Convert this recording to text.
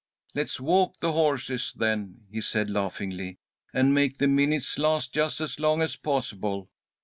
"Let's walk the horses, then," he said, laughingly, "and make the minutes last just as long as possible.